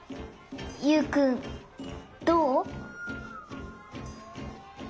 ユウくんどう？